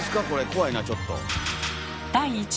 怖いなちょっと。